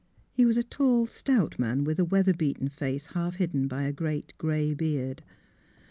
He was a tall stout man, with a weather beaten face half hidden by a great grey beard.